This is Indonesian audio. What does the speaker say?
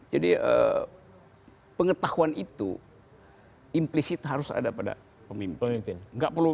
jadi pengetahuan itu implicit harus ada pada pemimpin